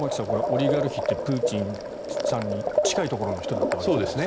オリガルヒってプーチンさんに近いところの人だったわけじゃないですか。